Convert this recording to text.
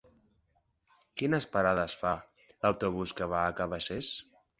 Quines parades fa l'autobús que va a Cabacés?